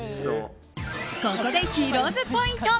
ここでヒロ’ｓポイント。